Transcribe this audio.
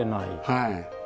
はい。